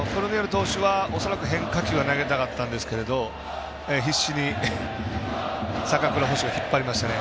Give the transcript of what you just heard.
投手は恐らく、変化球を投げたかったんですけど必死に、坂倉捕手が引っ張りましたね。